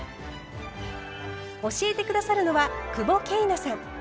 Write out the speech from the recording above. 教えて下さるのは久保桂奈さん。